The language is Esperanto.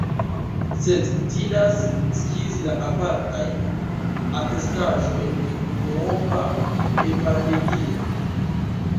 Sed utilas skizi la apartajn atestaĵojn de unuopa evangelio.